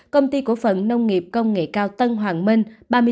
công ty cổ phần nông nghiệp công nghệ cao tân hoàng minh ba mươi bốn